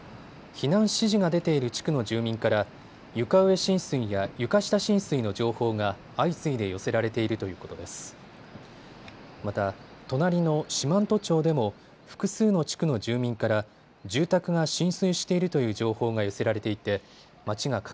避難指示が出ている地区の住民から床上浸水や床下浸水の情報が相次いで寄せられているということです。